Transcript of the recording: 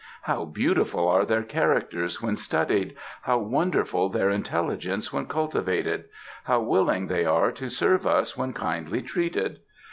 How beautiful are their characters when studied? how wonderful their intelligence when cultivated? how willing they are to serve us when kindly treated?